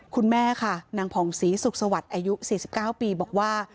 คุณแม่ค่ะนางผ่องศรีสุขสวัสดิ์อายุ๔๙ปีบอกว่า